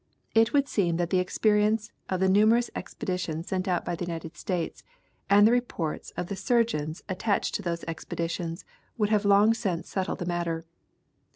It would seem that the experience of the numerous expeditions sent out by the United States, and the reports of the surgeons at tached to those expeditions would have long since settled the matter.